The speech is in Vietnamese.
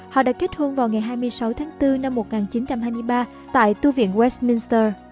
họ đã kết hôn vào ngày hai mươi sáu tháng bốn năm một nghìn chín trăm hai mươi ba tại tu viện west minster